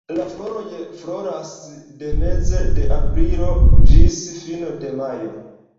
La floroj floras de meze de aprilo ĝis fino de majo.